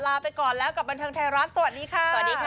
ลาไปก่อนแล้วกับบรรเทิงไทยรัฐสวัสดีค่ะ